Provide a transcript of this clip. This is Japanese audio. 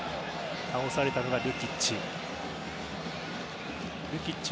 倒されたのがルキッチ。